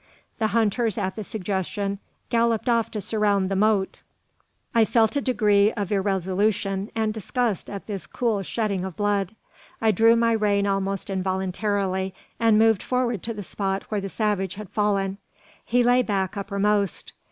The hunters, at the suggestion, galloped off to surround the motte. I felt a degree of irresolution and disgust at this cool shedding of blood. I drew my rein almost involuntarily, and moved forward to the spot where the savage had fallen. He lay back uppermost.